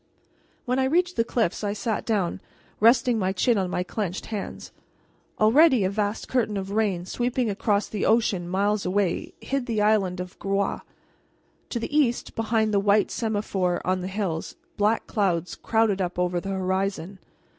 When I reached the cliffs I sat down, resting my chin on my clenched hands. Already a vast curtain of rain, sweeping across the ocean miles away, hid the island of Groix. To the east, behind the white semaphore on the hills, black clouds crowded up over the horizon.